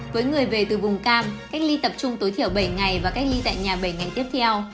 với người về từ vùng cam cách ly tập trung tối thiểu bảy ngày và cách ly tại nhà bảy ngày tiếp theo